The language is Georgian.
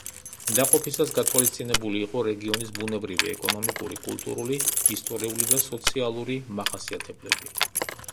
დაყოფისას გათვალისწინებული იყო რეგიონის ბუნებრივი, ეკონომიკური, კულტურული, ისტორიული და სოციალური მახასიათებლები.